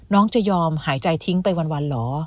น้องจะยอมหายใจทิ้งไปวันเหรอ